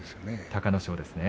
隆の勝ですね。